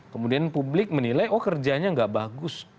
kemudian publik menilai oh kerjanya nggak bagus